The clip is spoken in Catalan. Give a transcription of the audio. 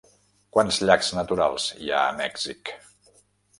Quants llacs naturals hi ha a Mèxic?